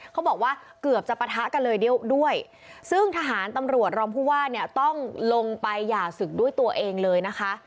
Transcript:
เขาบอกว่าเกือบจะปะทะกันเลยด้วยซึ่งทหารตำรวจรองผู้ว่าเนี่ยต้องลงไปหย่าศึกด้วยตัวเองเลยนะคะ